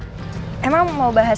ada sesuatu yang pengen mereka bahas oleh